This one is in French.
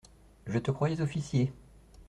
Je te croyais officier.